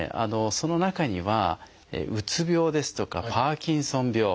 その中にはうつ病ですとかパーキンソン病